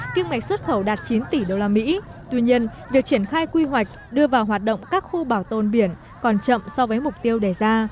kinh mạch xuất khẩu đạt chín tỷ usd tuy nhiên việc triển khai quy hoạch đưa vào hoạt động các khu bảo tồn biển còn chậm so với mục tiêu đề ra